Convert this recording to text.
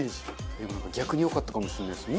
でも逆によかったかもしれないです。